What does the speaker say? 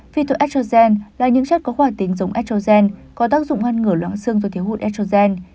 phyto estrogen là những chất có hỏa tính giống estrogen có tác dụng ngăn ngửa loãng xương do thiếu hụt estrogen